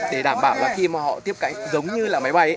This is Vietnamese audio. để đảm bảo là khi mà họ tiếp cánh giống như là máy bay ấy